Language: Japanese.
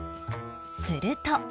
すると